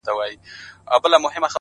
وخت د پریکړو ارزښت زیاتوي